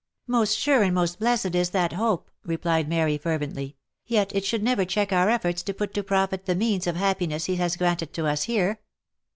" Most sure and most blessed is that hope !" replied Mary, fervently, lt yet it should never check our efforts to put to profit the means of happiness he has granted to us here.